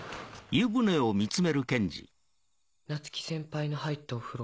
夏希先輩の入ったお風呂。